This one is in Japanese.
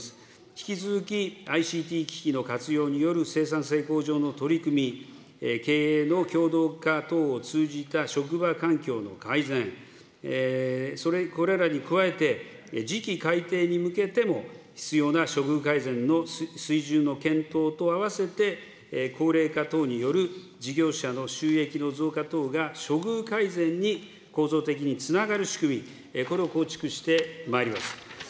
引き続き、ＩＣＴ機器の活用による生産性向上の取り組み、経営の共同化等を通じた職場環境の改善、これらに加えて、次期改定に向けても必要な処遇改善の水準の検討とあわせて、高齢化等による事業者の収益の増加等が、処遇改善に構造的につながる仕組み、これを構築してまいります。